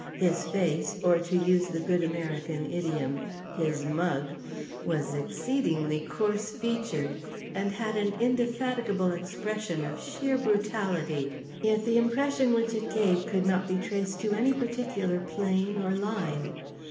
His face (or to use the good American idiom, his mug) was exceedingly coarse featured and had an indefatigable expression of sheer brutality—yet the impression which it gave could not be traced to any particular plane or line.